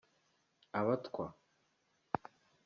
abatwa